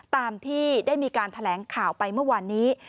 ตามที่ได้มีการแถลงข่าวไปเมื่อวานนี้